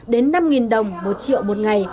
đến năm đồng một triệu một ngày